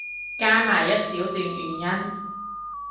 加埋一小段原因